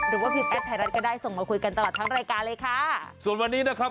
หรือว่าพิมพ์แอปไทยรัฐก็ได้ส่งมาคุยกันตลอดทั้งรายการเลยค่ะส่วนวันนี้นะครับ